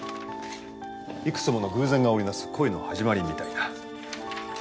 幾つもの偶然が織り成す恋の始まりみたいな。